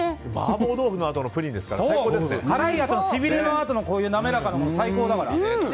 麻婆豆腐のあとのプリンですから辛い、しびれのあとのこういう滑らかなの最高だから。